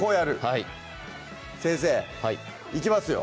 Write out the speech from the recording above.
はい先生いきますよ